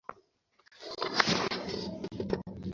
অথচ এ সময়ের মধ্যে কুরাইশ সৈন্যরা মদীনা ছেড়ে অনেক দূরে গিয়ে পৌঁছেছে।